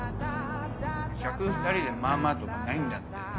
客２人でまぁまぁとかないんだって。